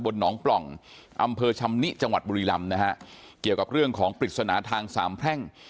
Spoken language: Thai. หนองปล่องอำเภอชำนิจังหวัดบุรีรำนะฮะเกี่ยวกับเรื่องของปริศนาทางสามแพร่ง